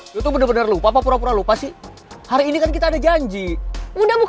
hai itu bener bener lupa apa pulang lupa sih hari ini kan kita barengsh panggilan time banget dong